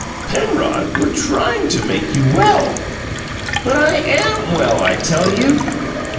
"Penrod, we're trying to make you well." "But I AM well, I tell you!"